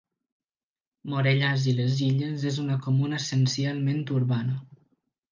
Morellàs i les Illes és una comuna essencialment urbana.